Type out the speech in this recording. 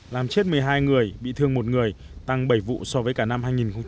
làm chết một mươi hai người bị thương một người tăng bảy vụ so với cả năm hai nghìn một mươi tám